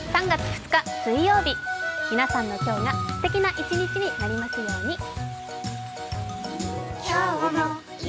３月２日水曜日、皆さんの今日がすてきな一日になりますように。